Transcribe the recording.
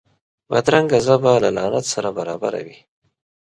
بدرنګه ژبه له لعنت سره برابره وي